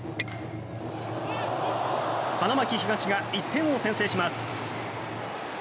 花巻東が１点を先制します。